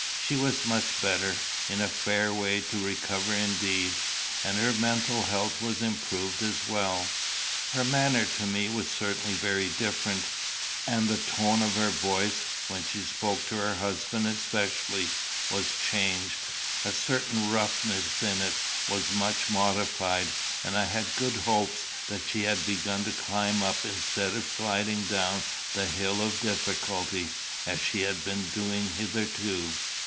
She was much better, in a fair way to recover indeed, and her mental health was improved as well. Her manner to me was certainly very different, and the tone of her voice, when she spoke to her husband especially, was changed: a certain roughness in it was much modified, and I had good hopes that she had begun to climb up instead of sliding down the hill of difficulty, as she had been doing hitherto.